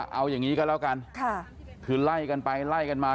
เอาอย่างนี้ก็แล้วกันคือไล่กันไปไล่กันมา